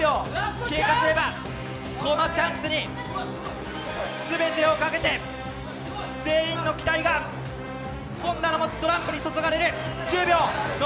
このチャンスに全てをかけて、全員の期待が本田の持つトランプに注がれる。